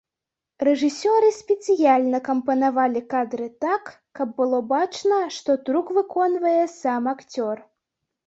Рэжысёры спецыяльна кампанавалі кадры так, каб было бачна, што трук выконвае сам акцёр.